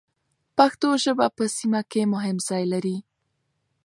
پښتو ژبه په سیمه کې مهم ځای لري.